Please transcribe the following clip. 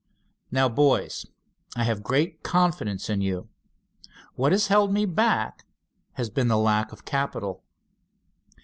Now, boys, I have great confidence in you. What has held me back has been the lack of capital."